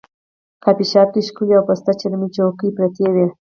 کافي شاپ کې ښکلې او پسته چرمي چوکۍ پرتې وې.